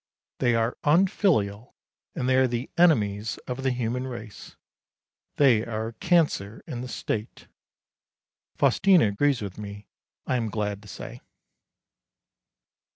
They are unfilial, and they are the enemies of the human race. They are a cancer in the State. Faustina agrees with me, I am glad to say.